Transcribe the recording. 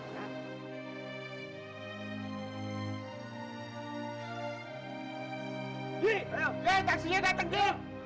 taksinya dateng ji